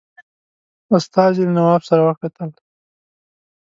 استازي له نواب سره وکتل.